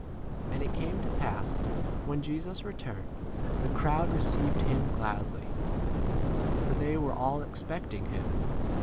40 And it came to pass when Jesus returned, the crowd receiv ed him gladly, d for they were all 41 expecting him.